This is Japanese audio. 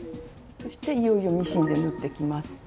そしていよいよミシンで縫っていきます。